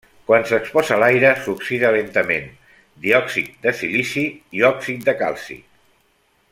Quan s'exposa a l'aire s'oxida lentament, diòxid de silici i òxid de calci.